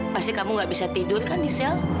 pasti kamu gak bisa tidur kan di sel